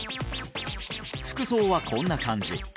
服装はこんな感じ